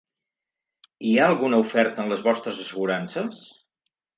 Hi ha alguna oferta en les vostres assegurances?